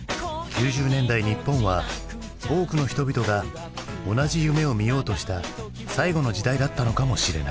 ９０年代日本は多くの人々が同じ夢をみようとした最後の時代だったのかもしれない。